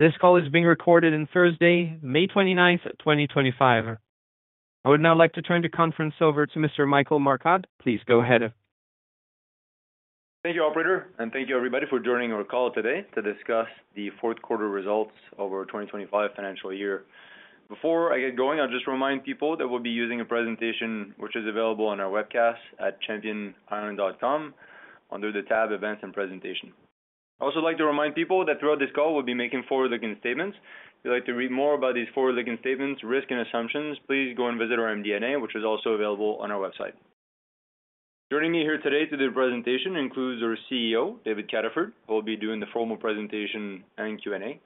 This call is being recorded on Thursday, May 29th, 2025. I would now like to turn the conference over to Mr. Michael Marcotte. Please go ahead. Thank you, Operator, and thank you, everybody, for joining our call today to discuss the fourth quarter results of our 2025 financial year. Before I get going, I'll just remind people that we'll be using a presentation which is available on our webcast at championiron.com under the tab Events and Presentation. I'd also like to remind people that throughout this call we'll be making forward-looking statements. If you'd like to read more about these forward-looking statements, risks, and assumptions, please go and visit our MD&A, which is also available on our website. Joining me here today to do the presentation includes our CEO, David Cataford, who will be doing the formal presentation and Q&A.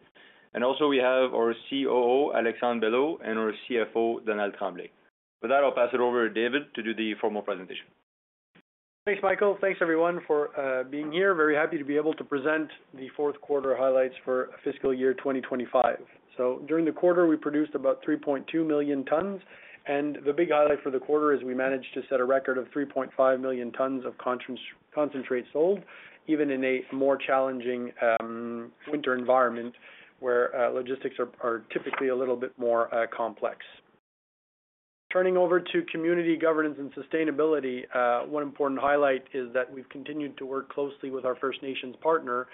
Also, we have our COO, Alexandre Belot, and our CFO, Donald Cromley. With that, I'll pass it over to David to do the formal presentation. Thanks, Michael. Thanks, everyone, for being here. Very happy to be able to present the fourth quarter highlights for fiscal year 2025. During the quarter, we produced about 3.2 million tons. The big highlight for the quarter is we managed to set a record of 3.5 million tons of concentrate sold, even in a more challenging winter environment where logistics are typically a little bit more complex. Turning over to community governance and sustainability, one important highlight is that we've continued to work closely with our First Nations partner,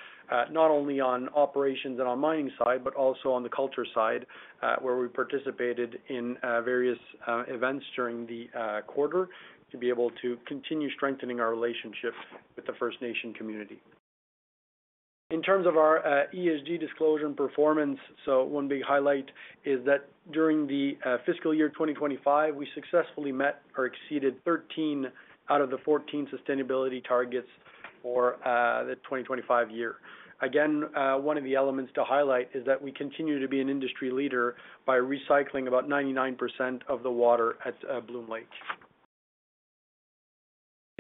not only on operations and on mining side, but also on the culture side, where we participated in various events during the quarter to be able to continue strengthening our relationship with the First Nation community. In terms of our ESG disclosure and performance, one big highlight is that during the fiscal year 2025, we successfully met or exceeded 13 out of the 14 sustainability targets for the 2025 year. Again, one of the elements to highlight is that we continue to be an industry leader by recycling about 99% of the water at Bloom Lake.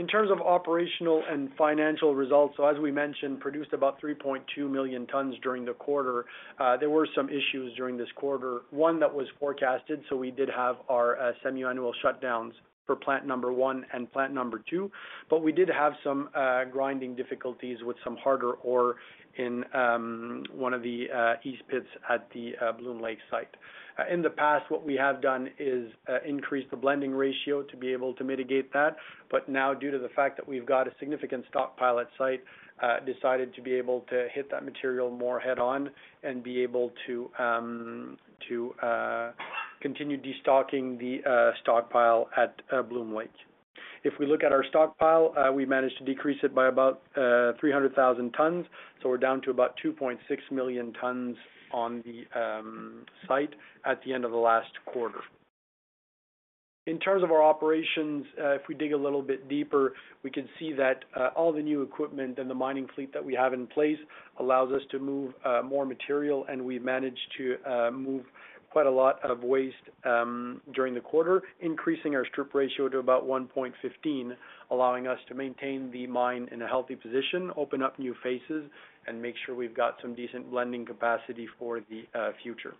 In terms of operational and financial results, as we mentioned, produced about 3.2 million tons during the quarter. There were some issues during this quarter, one that was forecasted, we did have our semi-annual shutdowns for plant number one and plant number two, but we did have some grinding difficulties with some harder ore in one of the east pits at the Bloom Lake site. In the past, what we have done is increased the blending ratio to be able to mitigate that, but now, due to the fact that we've got a significant stockpile at site, decided to be able to hit that material more head-on and be able to continue destocking the stockpile at Bloom Lake. If we look at our stockpile, we managed to decrease it by about 300,000 tons, so we're down to about 2.6 million tons on the site at the end of the last quarter. In terms of our operations, if we dig a little bit deeper, we can see that all the new equipment and the mining fleet that we have in place allows us to move more material, and we've managed to move quite a lot of waste during the quarter, increasing our strip ratio to about 1.15, allowing us to maintain the mine in a healthy position, open up new faces, and make sure we've got some decent blending capacity for the future.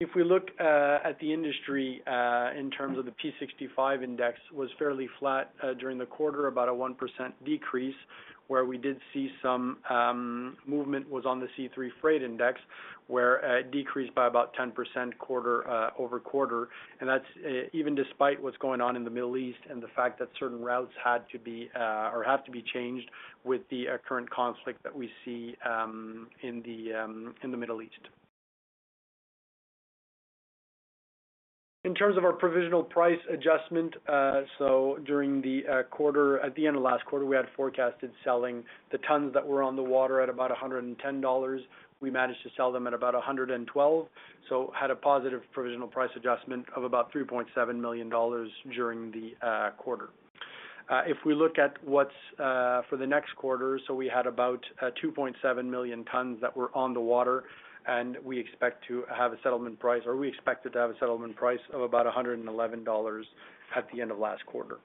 If we look at the industry in terms of the P65 index, it was fairly flat during the quarter, about a 1% decrease, where we did see some movement was on the C3 freight index, where it decreased by about 10% quarter over quarter. That's even despite what's going on in the Middle East and the fact that certain routes had to be or have to be changed with the current conflict that we see in the Middle East. In terms of our provisional price adjustment, during the quarter, at the end of last quarter, we had forecasted selling the tons that were on the water at about $110. We managed to sell them at about $112, so had a positive provisional price adjustment of about $3.7 million during the quarter. If we look at what's for the next quarter, we had about 2.7 million tons that were on the water, and we expect to have a settlement price, or we expected to have a settlement price of about $111 at the end of last quarter.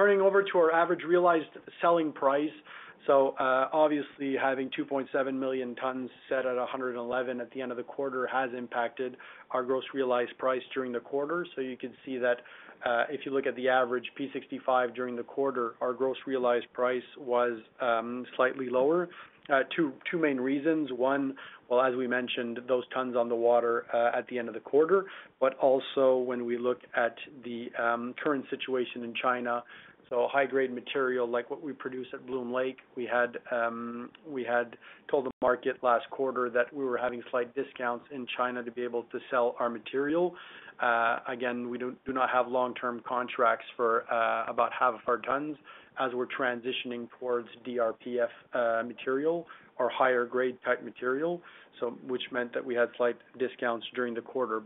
Turning over to our average realized selling price, obviously having 2.7 million tons set at $111 at the end of the quarter has impacted our gross realized price during the quarter. You can see that if you look at the average P65 during the quarter, our gross realized price was slightly lower. Two main reasons. One, as we mentioned, those tons on the water at the end of the quarter, but also when we look at the current situation in China, high-grade material like what we produce at Bloom Lake, we had told the market last quarter that we were having slight discounts in China to be able to sell our material. Again, we do not have long-term contracts for about half of our tons as we're transitioning towards DRPF material or higher-grade type material, which meant that we had slight discounts during the quarter.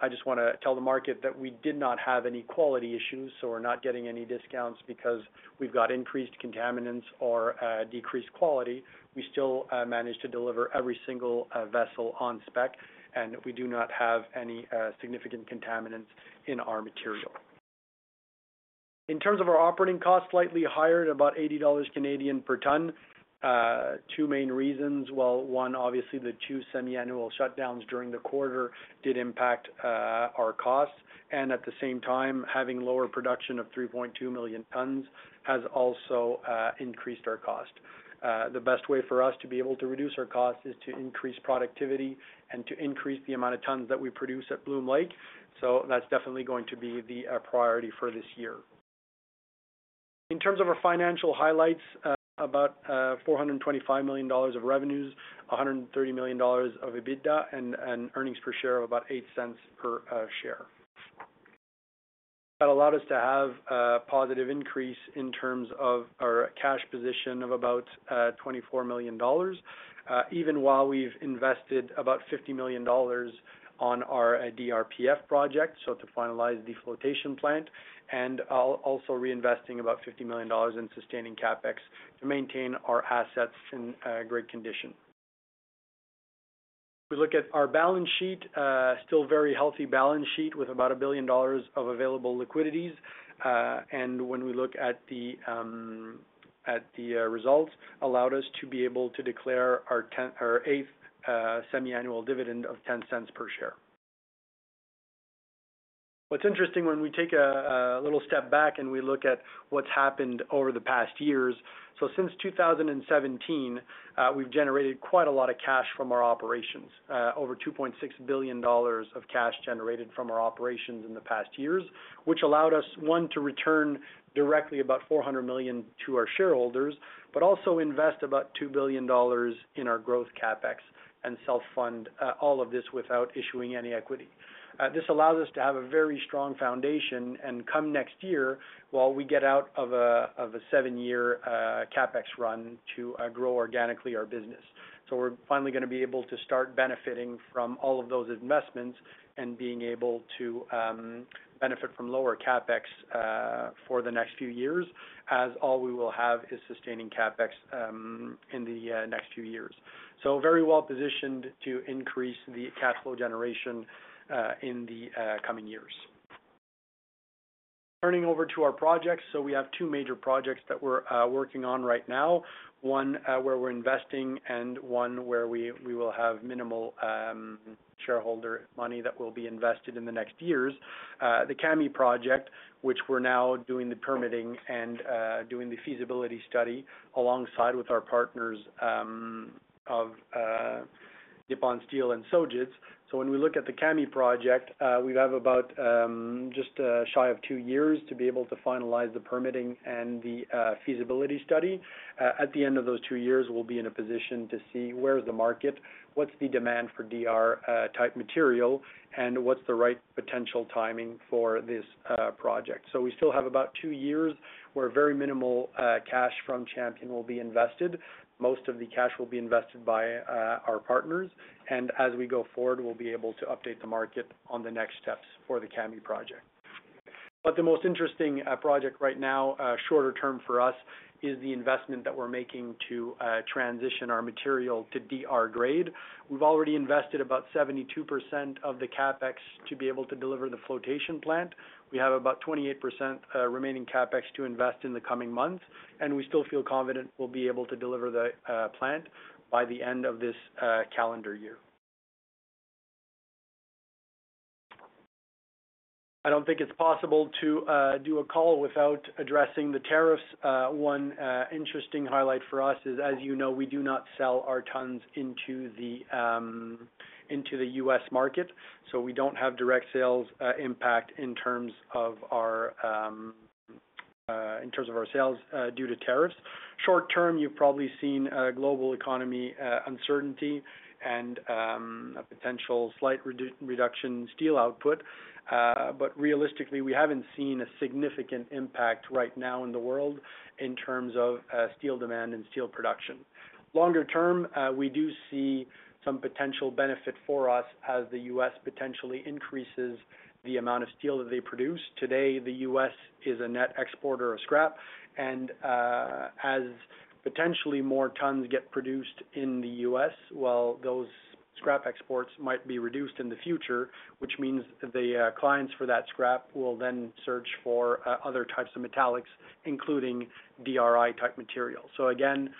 I just want to tell the market that we did not have any quality issues, so we're not getting any discounts because we've got increased contaminants or decreased quality. We still managed to deliver every single vessel on spec, and we do not have any significant contaminants in our material. In terms of our operating cost, slightly higher at about 80 Canadian dollars per ton. Two main reasons. One, obviously the two semi-annual shutdowns during the quarter did impact our costs. At the same time, having lower production of 3.2 million tons has also increased our cost. The best way for us to be able to reduce our cost is to increase productivity and to increase the amount of tons that we produce at Bloom Lake. That's definitely going to be the priority for this year. In terms of our financial highlights, about $425 million of revenues, $130 million of EBITDA, and an earnings per share of about $0.08 per share. That allowed us to have a positive increase in terms of our cash position of about $24 million, even while we've invested about $50 million on our DRPF project, to finalize the flotation plant, and also reinvesting about $50 million in sustaining CapEx to maintain our assets in great condition. If we look at our balance sheet, still very healthy balance sheet with about 1 billion dollars of available liquidities. When we look at the results, it allowed us to be able to declare our eighth semi-annual dividend of $0.10 per share. What's interesting when we take a little step back and we look at what's happened over the past years, so since 2017, we've generated quite a lot of cash from our operations, over 2.6 billion dollars of cash generated from our operations in the past years, which allowed us, one, to return directly about 400 million to our shareholders, but also invest about 2 billion dollars in our growth CapEx and self-fund all of this without issuing any equity. This allows us to have a very strong foundation and come next year, we get out of a seven-year CapEx run to grow organically our business. We're finally going to be able to start benefiting from all of those investments and being able to benefit from lower CapEx for the next few years, as all we will have is sustaining CapEx in the next few years. Very well positioned to increase the cash flow generation in the coming years. Turning over to our projects, we have two major projects that we're working on right now, one where we're investing and one where we will have minimal shareholder money that will be invested in the next years. The Kami project, which we're now doing the permitting and doing the feasibility study alongside with our partners of Nippon Steel and Sojitz. When we look at the Kami project, we have about just shy of two years to be able to finalize the permitting and the feasibility study. At the end of those two years, we'll be in a position to see where's the market, what's the demand for DR-type material, and what's the right potential timing for this project. We still have about two years where very minimal cash from Champion will be invested. Most of the cash will be invested by our partners. As we go forward, we'll be able to update the market on the next steps for the Kami project. The most interesting project right now, shorter term for us, is the investment that we're making to transition our material to DR grade. We've already invested about 72% of the CapEx to be able to deliver the flotation plant. We have about 28% remaining CapEx to invest in the coming months, and we still feel confident we'll be able to deliver the plant by the end of this calendar year. I don't think it's possible to do a call without addressing the tariffs. One interesting highlight for us is, as you know, we do not sell our tons into the U.S. market, so we don't have direct sales impact in terms of our sales due to tariffs. Short term, you've probably seen global economy uncertainty and a potential slight reduction in steel output, but realistically, we haven't seen a significant impact right now in the world in terms of steel demand and steel production. Longer term, we do see some potential benefit for us as the U.S. potentially increases the amount of steel that they produce. Today, the U.S. is a net exporter of scrap, and as potentially more tons get produced in the U.S., those scrap exports might be reduced in the future, which means the clients for that scrap will then search for other types of metallics, including DRI-type materials. Again,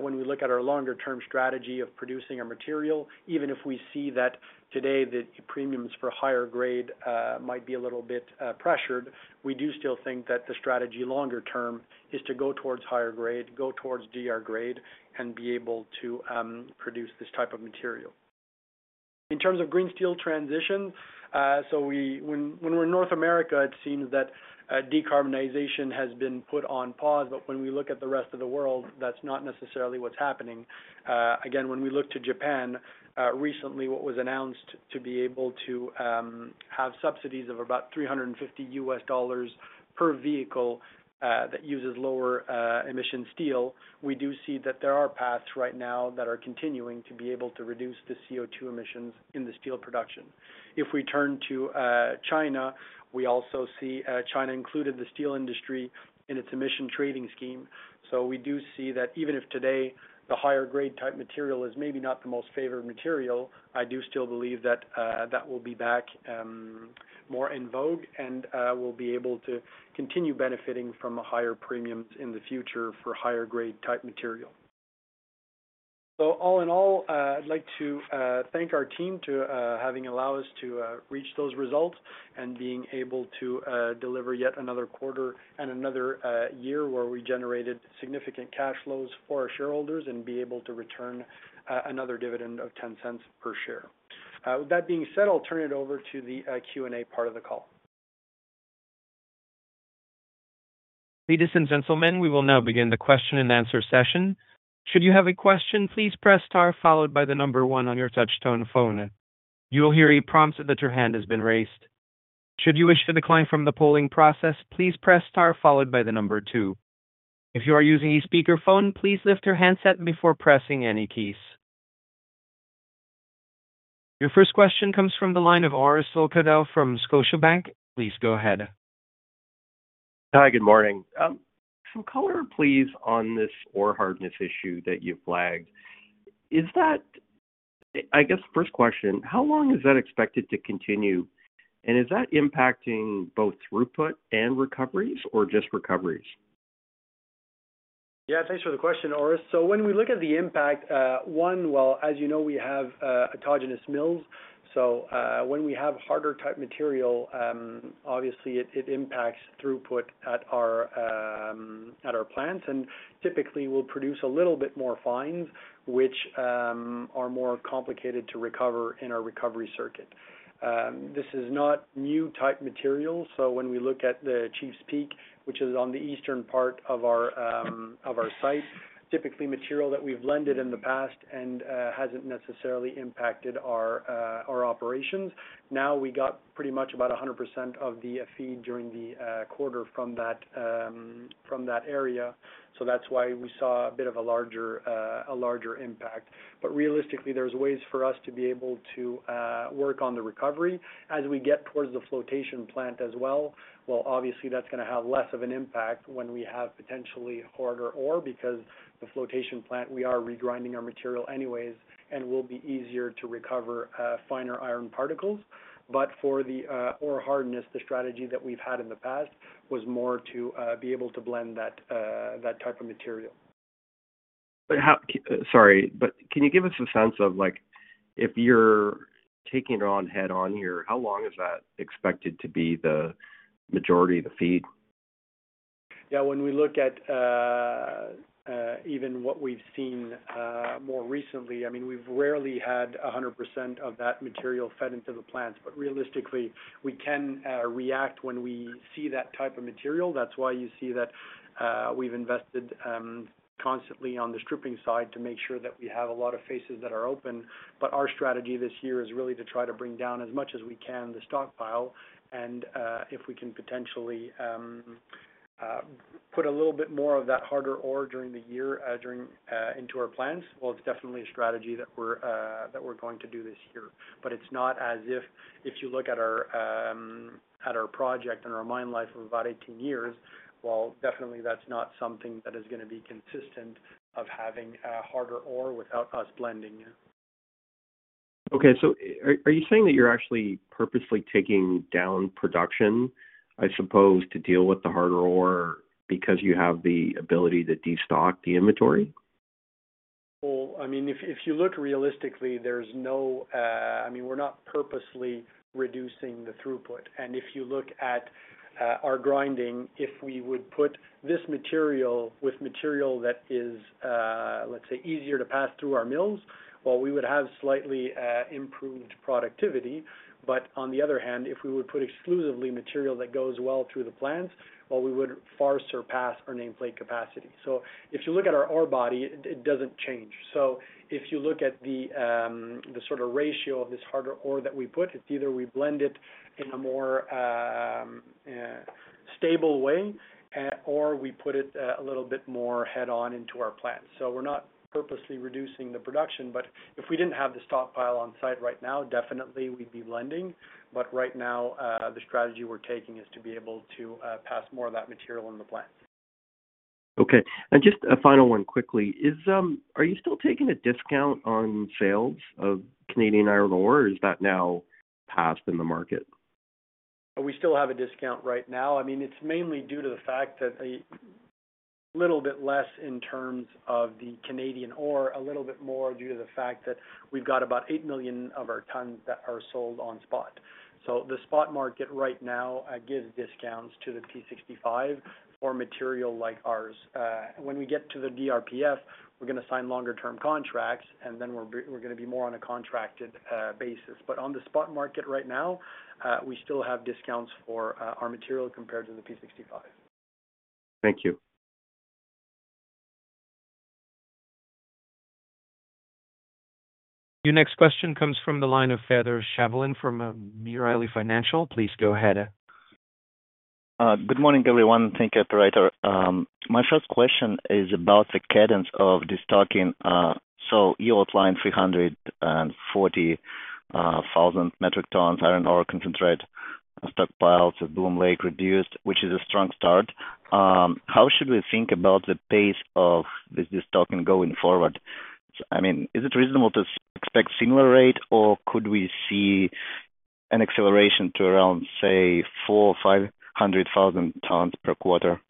when we look at our longer-term strategy of producing our material, even if we see that today the premiums for higher grade might be a little bit pressured, we do still think that the strategy longer term is to go towards higher grade, go towards DR grade, and be able to produce this type of material. In terms of green steel transition, when we're in North America, it seems that decarbonization has been put on pause, but when we look at the rest of the world, that's not necessarily what's happening. Again, when we look to Japan, recently what was announced to be able to have subsidies of about $350 per vehicle that uses lower emission steel, we do see that there are paths right now that are continuing to be able to reduce the CO2 emissions in the steel production. If we turn to China, we also see China included the steel industry in its emission trading scheme. We do see that even if today the higher grade type material is maybe not the most favored material, I do still believe that that will be back more in vogue and will be able to continue benefiting from higher premiums in the future for higher grade type material. All in all, I'd like to thank our team for having allowed us to reach those results and being able to deliver yet another quarter and another year where we generated significant cash flows for our shareholders and be able to return another dividend of $0.10 per share. With that being said, I'll turn it over to the Q&A part of the call. Ladies and gentlemen, we will now begin the question and answer session. Should you have a question, please press star followed by the number one on your touchstone phone. You will hear a prompt that your hand has been raised. Should you wish to decline from the polling process, please press star followed by the number two. If you are using a speakerphone, please lift your handset before pressing any keys. Your first question comes from the line of Aris Bogdaneris from Scotiabank. Please go ahead. Hi, good morning. Some color, please, on this ore hardness issue that you have flagged. I guess first question, how long is that expected to continue? And is that impacting both throughput and recoveries or just recoveries? Yeah, thanks for the question, Aris. When we look at the impact, one, as you know, we have autogenous mills. When we have harder type material, obviously it impacts throughput at our plants. Typically, we'll produce a little bit more fines, which are more complicated to recover in our recovery circuit. This is not new type material. When we look at the Chief's Peak, which is on the eastern part of our site, typically material that we've blended in the past and hasn't necessarily impacted our operations. Now we got pretty much about 100% of the feed during the quarter from that area. That is why we saw a bit of a larger impact. Realistically, there are ways for us to be able to work on the recovery as we get towards the flotation plant as well. Obviously, that is going to have less of an impact when we have potentially harder ore because the flotation plant, we are regrinding our material anyways, and it will be easier to recover finer iron particles. For the ore hardness, the strategy that we've had in the past was more to be able to blend that type of material. Sorry, but can you give us a sense of if you're taking it on head on here, how long is that expected to be the majority of the feed? Yeah, when we look at even what we've seen more recently, I mean, we've rarely had 100% of that material fed into the plants. Realistically, we can react when we see that type of material. That's why you see that we've invested constantly on the stripping side to make sure that we have a lot of faces that are open. Our strategy this year is really to try to bring down as much as we can the stockpile. If we can potentially put a little bit more of that harder ore during the year into our plants, it is definitely a strategy that we are going to do this year. It is not as if you look at our project and our mine life of about 18 years, that is not something that is going to be consistent of having harder ore without us blending. Okay. Are you saying that you are actually purposely taking down production, I suppose, to deal with the harder ore because you have the ability to destock the inventory? I mean, if you look realistically, we are not purposely reducing the throughput. If you look at our grinding, if we would put this material with material that is, let's say, easier to pass through our mills, we would have slightly improved productivity. On the other hand, if we would put exclusively material that goes well through the plants, we would far surpass our nameplate capacity. If you look at our ore body, it does not change. If you look at the sort of ratio of this harder ore that we put, it is either we blend it in a more stable way or we put it a little bit more head-on into our plants. We are not purposely reducing the production. If we did not have the stockpile on site right now, we would definitely be blending. Right now, the strategy we are taking is to be able to pass more of that material in the plants. Okay. Just a final one quickly. Are you still taking a discount on sales of Canadian iron ore, or is that now passed in the market? We still have a discount right now. I mean, it's mainly due to the fact that a little bit less in terms of the Canadian ore, a little bit more due to the fact that we've got about 8 million of our tons that are sold on spot. The spot market right now gives discounts to the P65 for material like ours. When we get to the DRPF, we're going to sign longer-term contracts, and then we're going to be more on a contracted basis. On the spot market right now, we still have discounts for our material compared to the P65. Thank you. Your next question comes from the line of Shavelin from Mirabaud Financial. Please go ahead. Good morning, everyone. Thank you, Director. My first question is about the cadence of destocking. You outlined 340,000 metric tons iron ore concentrate stockpile to Bloom Lake reduced, which is a strong start. How should we think about the pace of this destocking going forward? I mean, is it reasonable to expect a similar rate, or could we see an acceleration to around, say, 400,000 or 500,000 tons per quarter?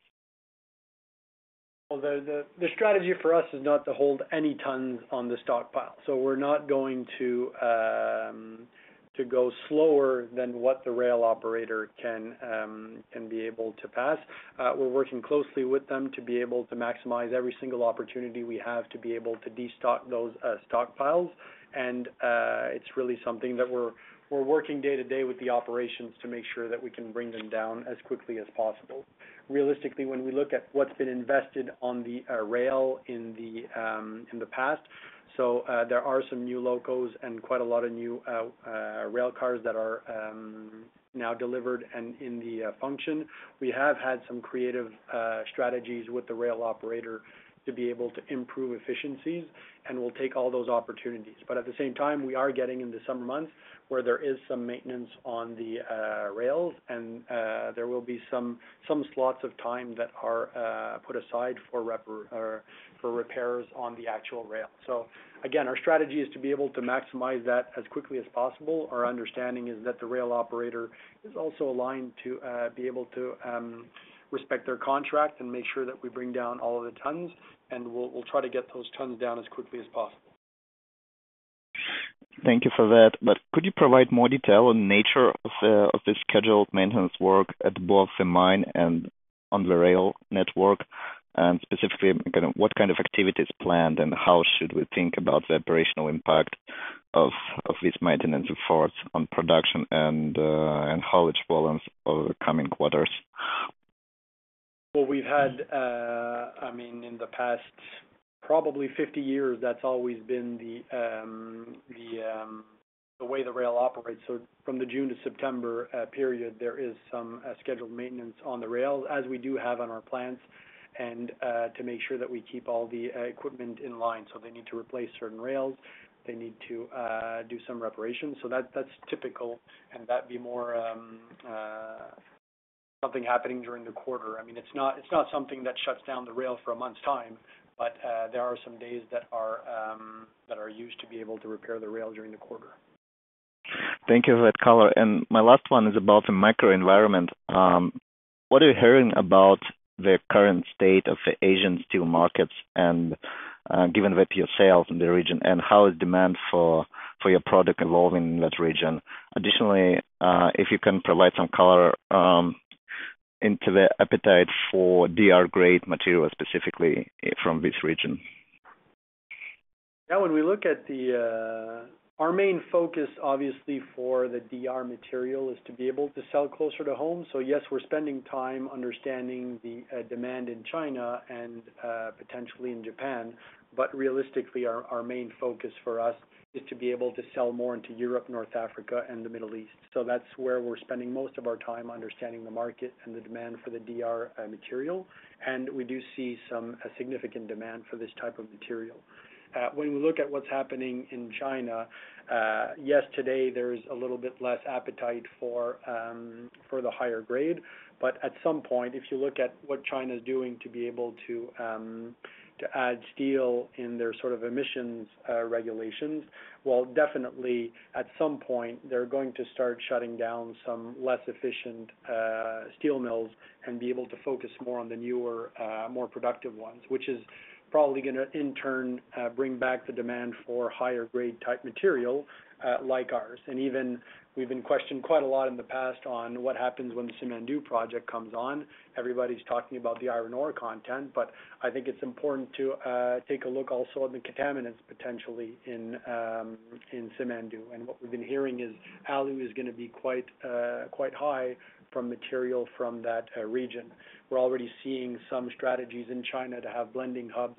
The strategy for us is not to hold any tons on the stockpile. We are not going to go slower than what the rail operator can be able to pass. We are working closely with them to be able to maximize every single opportunity we have to be able to destock those stockpiles. It is really something that we are working day to day with the operations to make sure that we can bring them down as quickly as possible. Realistically, when we look at what's been invested on the rail in the past, there are some new locos and quite a lot of new rail cars that are now delivered and in the function. We have had some creative strategies with the rail operator to be able to improve efficiencies, and we'll take all those opportunities. At the same time, we are getting into summer months where there is some maintenance on the rails, and there will be some slots of time that are put aside for repairs on the actual rail. Again, our strategy is to be able to maximize that as quickly as possible. Our understanding is that the rail operator is also aligned to be able to respect their contract and make sure that we bring down all of the tons. We'll try to get those tons down as quickly as possible. Thank you for that. Could you provide more detail on the nature of this scheduled maintenance work at both the mine and on the rail network, and specifically what kind of activity is planned, and how should we think about the operational impact of these maintenance efforts on production and how it's balanced over the coming quarters? I mean, in the past probably 50 years, that's always been the way the rail operates. From the June to September period, there is some scheduled maintenance on the rails, as we do have on our plants, to make sure that we keep all the equipment in line. They need to replace certain rails. They need to do some reparations. That's typical, and that would be more something happening during the quarter. I mean, it's not something that shuts down the rail for a month's time, but there are some days that are used to be able to repair the rail during the quarter. Thank you for that color. My last one is about the microenvironment. What are you hearing about the current state of the Asian steel markets and given that your sales in the region, and how is demand for your product evolving in that region? Additionally, if you can provide some color into the appetite for DR-grade material specifically from this region. Yeah, when we look at the our main focus, obviously, for the DR material is to be able to sell closer to home. Yes, we're spending time understanding the demand in China and potentially in Japan. Realistically, our main focus for us is to be able to sell more into Europe, North Africa, and the Middle East. That is where we are spending most of our time understanding the market and the demand for the DR material. We do see some significant demand for this type of material. When we look at what is happening in China, yes, today there is a little bit less appetite for the higher grade. At some point, if you look at what China is doing to be able to add steel in their sort of emissions regulations, definitely at some point, they are going to start shutting down some less efficient steel mills and be able to focus more on the newer, more productive ones, which is probably going to, in turn, bring back the demand for higher-grade type material like ours. Even we've been questioned quite a lot in the past on what happens when the Simandou project comes on. Everybody's talking about the iron ore content, but I think it's important to take a look also at the contaminants potentially in Simandou. What we've been hearing is alumina is going to be quite high from material from that region. We're already seeing some strategies in China to have blending hubs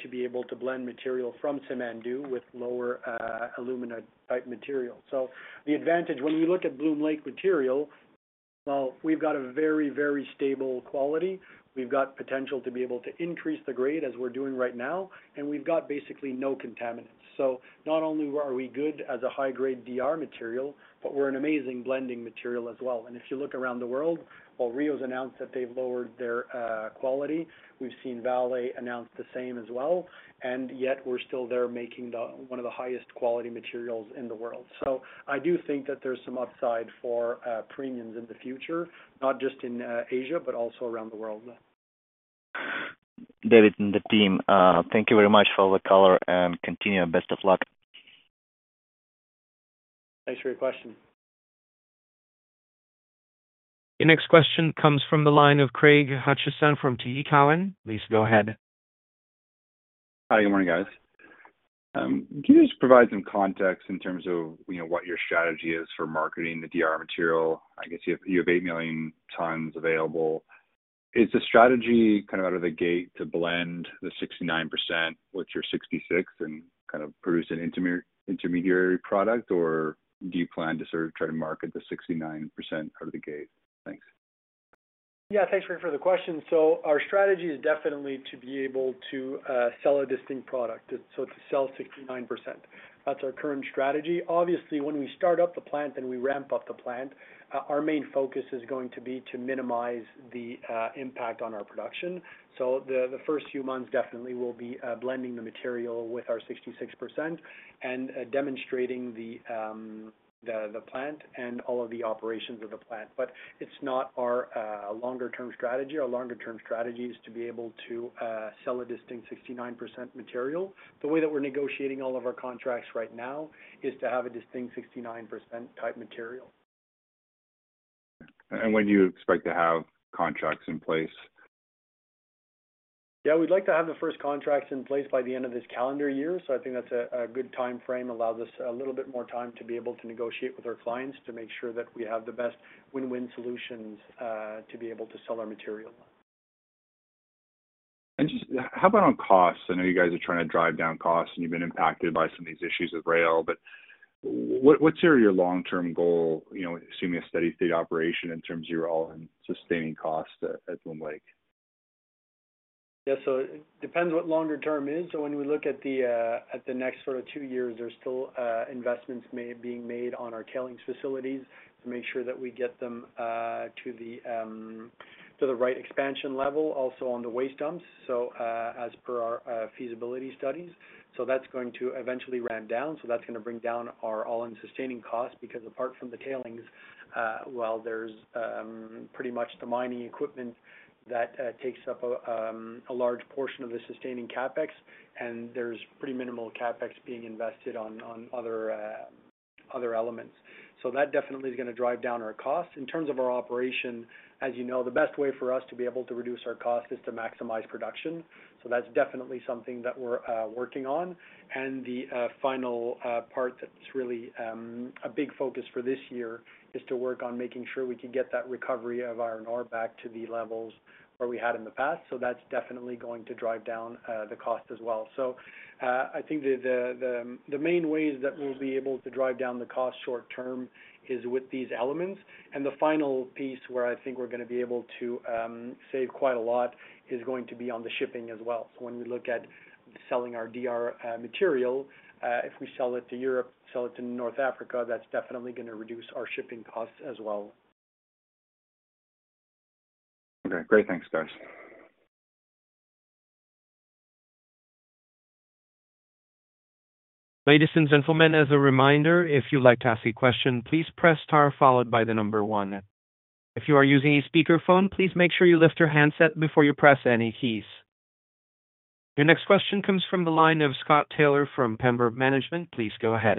to be able to blend material from Simandou with lower alumina type material. The advantage when we look at Bloom Lake material is we've got a very, very stable quality. We've got potential to be able to increase the grade as we're doing right now, and we've got basically no contaminants. Not only are we good as a high-grade DR material, but we're an amazing blending material as well. If you look around the world, Rio has announced that they've lowered their quality. We've seen Vale announce the same as well. Yet, we're still there making one of the highest quality materials in the world. I do think that there's some upside for premiums in the future, not just in Asia, but also around the world. David and the team, thank you very much for the color and continue your best of luck. Thanks for your question. Your next question comes from the line of Craig Hutchison from TD Cowen. Please go ahead. Hi, good morning, guys. Can you just provide some context in terms of what your strategy is for marketing the DR material? I guess you have 8 million tons available. Is the strategy kind of out of the gate to blend the 69% with your 66% and kind of produce an intermediary product, or do you plan to sort of try to market the 69% out of the gate? Thanks. Yeah, thanks for the question. Our strategy is definitely to be able to sell a distinct product. To sell 69%. That is our current strategy. Obviously, when we start up the plant and we ramp up the plant, our main focus is going to be to minimize the impact on our production. The first few months definitely will be blending the material with our 66% and demonstrating the plant and all of the operations of the plant. It is not our longer-term strategy. Our longer-term strategy is to be able to sell a distinct 69% material. The way that we're negotiating all of our contracts right now is to have a distinct 69% type material. When do you expect to have contracts in place? Yeah, we'd like to have the first contracts in place by the end of this calendar year. I think that's a good time frame. It allows us a little bit more time to be able to negotiate with our clients to make sure that we have the best win-win solutions to be able to sell our material. How about on costs? I know you guys are trying to drive down costs, and you've been impacted by some of these issues with rail. What's your long-term goal, assuming a steady-state operation in terms of your all-in sustaining costs at Bloom Lake? Yeah, it depends what longer-term is. When we look at the next sort of two years, there are still investments being made on our tailings facilities to make sure that we get them to the right expansion level. Also on the waste dumps, as per our feasibility studies. That is going to eventually ramp down. That is going to bring down our all-in sustaining costs because apart from the tailings, there is pretty much the mining equipment that takes up a large portion of the sustaining CapEx, and there is pretty minimal CapEx being invested on other elements. That definitely is going to drive down our costs. In terms of our operation, as you know, the best way for us to be able to reduce our costs is to maximize production. That is definitely something that we are working on. The final part that's really a big focus for this year is to work on making sure we can get that recovery of iron ore back to the levels where we had in the past. That's definitely going to drive down the cost as well. I think the main ways that we'll be able to drive down the cost short-term is with these elements. The final piece where I think we're going to be able to save quite a lot is going to be on the shipping as well. When we look at selling our DR material, if we sell it to Europe, sell it to North Africa, that's definitely going to reduce our shipping costs as well. Okay. Great. Thanks, guys. Ladies and gentlemen, as a reminder, if you'd like to ask a question, please press star followed by the number one. If you are using a speakerphone, please make sure you lift your handset before you press any keys. Your next question comes from the line of Scott Taylor from Pembroke Management. Please go ahead.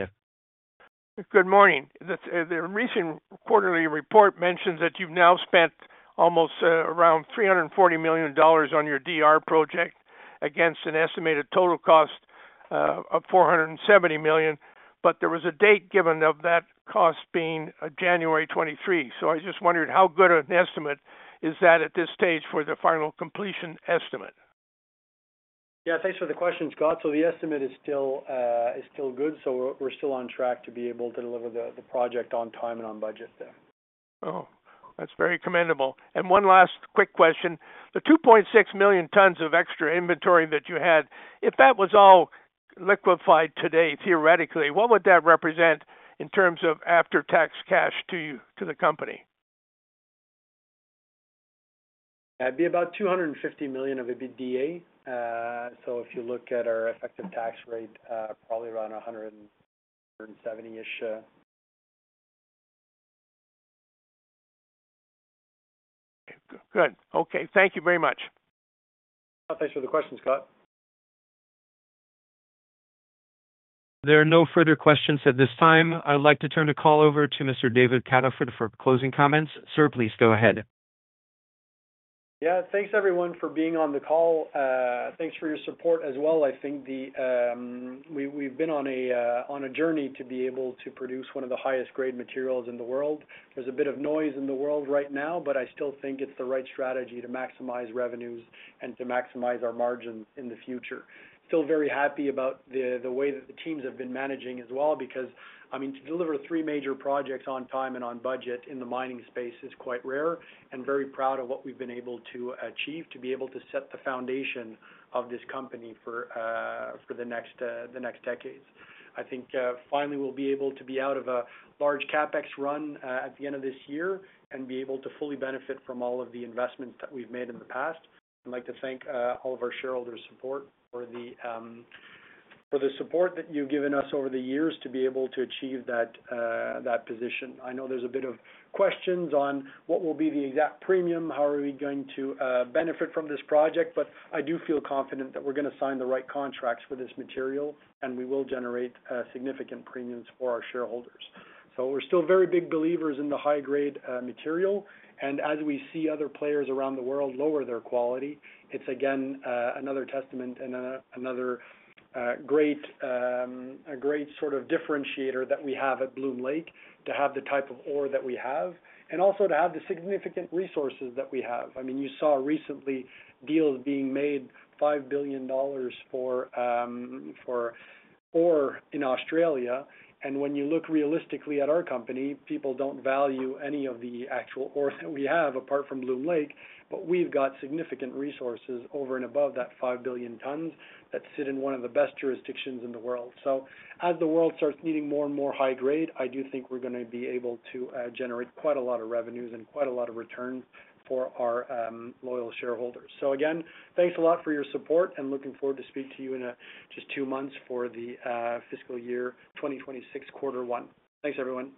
Good morning. The recent quarterly report mentions that you've now spent almost around 340 million dollars on your DR project against an estimated total cost of 470 million. But there was a date given of that cost being January 2023. I just wondered how good an estimate is that at this stage for the final completion estimate? Yeah, thanks for the question, Scott. The estimate is still good. We're still on track to be able to deliver the project on time and on budget there. Oh, that's very commendable. One last quick question. The 2.6 million tons of extra inventory that you had, if that was all liquefied today, theoretically, what would that represent in terms of after-tax cash to the company? That'd be about $250 million of EBITDA. So if you look at our effective tax rate, probably around $170 million-ish. Good. Okay. Thank you very much. Thanks for the question, Scott. There are no further questions at this time. I'd like to turn the call over to Mr. David Cataford for closing comments. Sir, please go ahead. Yeah, thanks everyone for being on the call. Thanks for your support as well. I think we've been on a journey to be able to produce one of the highest-grade materials in the world. There's a bit of noise in the world right now, but I still think it's the right strategy to maximize revenues and to maximize our margins in the future. Still very happy about the way that the teams have been managing as well because, I mean, to deliver three major projects on time and on budget in the mining space is quite rare and very proud of what we've been able to achieve to be able to set the foundation of this company for the next decades. I think finally we'll be able to be out of a large CapEx run at the end of this year and be able to fully benefit from all of the investments that we've made in the past. I'd like to thank all of our shareholders for the support that you've given us over the years to be able to achieve that position. I know there's a bit of questions on what will be the exact premium, how are we going to benefit from this project, but I do feel confident that we're going to sign the right contracts for this material, and we will generate significant premiums for our shareholders. We're still very big believers in the high-grade material. As we see other players around the world lower their quality, it's again another testament and another great sort of differentiator that we have at Bloom Lake to have the type of ore that we have and also to have the significant resources that we have. I mean, you saw recently deals being made $5 billion for ore in Australia. When you look realistically at our company, people do not value any of the actual ore that we have apart from Bloom Lake, but we have significant resources over and above that 5 billion tons that sit in one of the best jurisdictions in the world. As the world starts needing more and more high-grade, I do think we are going to be able to generate quite a lot of revenues and quite a lot of returns for our loyal shareholders. Again, thanks a lot for your support, and looking forward to speaking to you in just two months for the fiscal year 2026 quarter one. Thanks, everyone.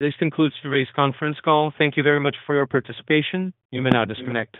This concludes today's conference call. Thank you very much for your participation. You may now disconnect.